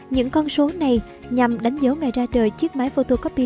những con số này nhằm đánh dấu ngày ra đời chiếc máy photocopy